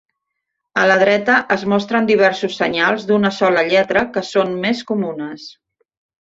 A la dreta es mostren diversos senyals d'una sola lletra que són més comunes.